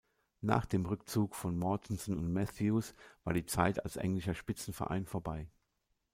Nach dem Rückzug von Mortensen und Matthews war die Zeit als englischer Spitzenverein vorbei.